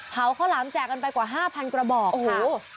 เผาข้าวหลามแจกกันไปกว่า๕๐๐๐กระบอกค่ะ